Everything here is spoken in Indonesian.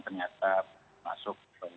ternyata masuk ke